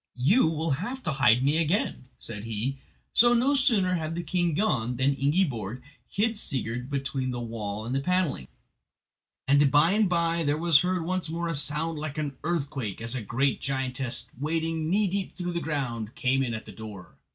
"You will have to hide me again," said he, so no sooner had the king gone than Ingiborg hid Sigurd between the wall and the panelling, and by and by there was heard once more a sound like an earthquake, as a great giantess, wading knee deep through the ground, came in at the door.